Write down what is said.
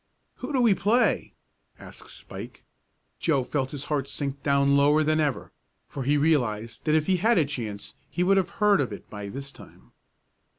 "Who do we play?" asked Spike. Joe felt his heart sink down lower than ever, for he realized that if he had a chance he would have heard of it by this time.